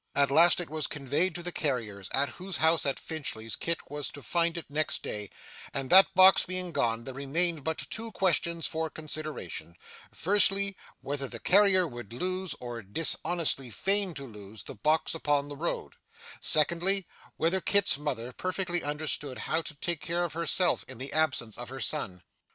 At last it was conveyed to the carrier's, at whose house at Finchley Kit was to find it next day; and the box being gone, there remained but two questions for consideration: firstly, whether the carrier would lose, or dishonestly feign to lose, the box upon the road; secondly, whether Kit's mother perfectly understood how to take care of herself in the absence of her son.